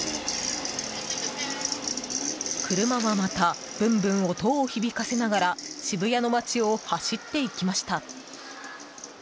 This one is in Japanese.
車は、またブンブン音を響かせながら渋谷の街を走っていきました。